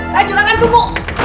laju langit tunggu